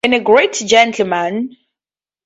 And a great gentleman.